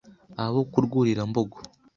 Abo ku Rwurirambogo